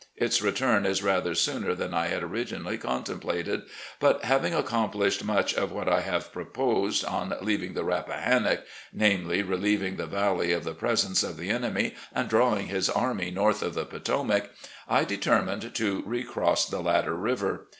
Its return is rather sooner than I had originally contemplated, but, having accomplished much of what I proposed on leaving the Rappahannock — ^namely, relieving the valley of the presence of the enemy and drawing his army north of the Potomac — I determined to recross the latter river.